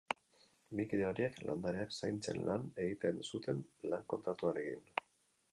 Bi kide horiek landareak zaintzen lan egiten zuten, lan-kontratuarekin.